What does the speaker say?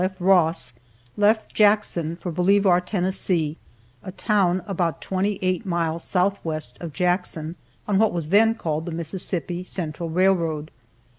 F. Ross, left Jackson for Bolivar, Tennessee, a town about twenty eight miles southwest of Jackson, on what was then called the Mississippi Central Railroad.